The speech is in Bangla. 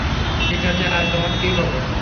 ঠিক আছে, আর তোমার কী খবর?